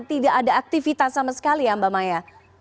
tidak ada aktivitas sama sekali ya mbak maya